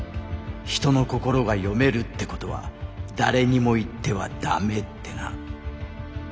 「人の心が読めるってことは誰にも言ってはダメ」ってな。